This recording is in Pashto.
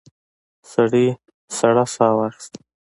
سړي سړه ساه واخیسته.